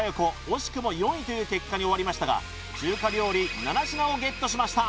惜しくも４位という結果に終わりましたが中華料理７品をゲットしました